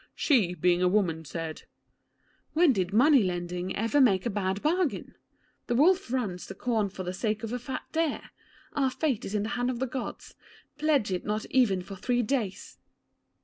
She, being a woman, said, "When did money lender ever make a bad bargain? The wolf runs the corn for the sake of the fat deer. Our fate is in the hands of the Gods. Pledge it not even for three days."